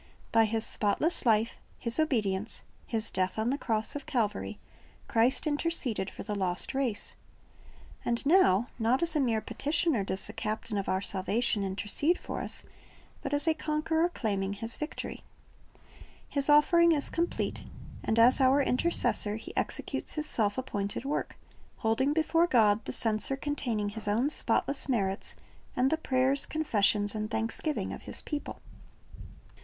"' By His spotless life. His obedience, His death on the cross of Calvary, Christ interceded for the lost race. And now, not as a mere petitioner docs the Captain of our salvation intercede for us, but as a Conqueror claiming His victory. His offering is complete, and as our Intercessor He executes His self appointed work, holding before God the censer containing His own spotless merits and the prayers, confessions, and thanksgiving of His people.